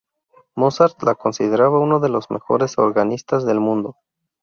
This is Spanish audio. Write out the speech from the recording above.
Mozart lo consideraba uno de los mejores organistas del mundo.